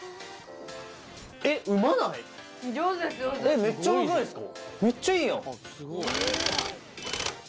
えっめっちゃうまくないすか？